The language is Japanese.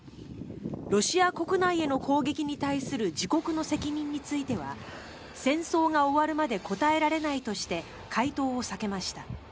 ロシア国内への攻撃に対する自国の責任については戦争が終わるまで答えられないとして回答を避けました。